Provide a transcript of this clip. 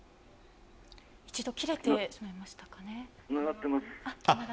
一度切れてしまいましたかね。